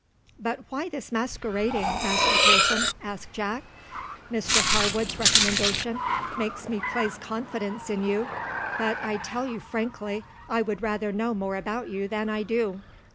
"But why this masquerading, Master Pearson?" asked Jack. "Mr Harwood's recommendation makes me place confidence in you, but I tell you frankly, I would rather know more about you than I do!"